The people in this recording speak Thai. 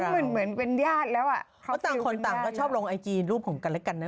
เหมือนเป็นญาติแล้วอ่ะเพราะต่างคนต่างก็ชอบลงไอจีรูปของกันและกันนะ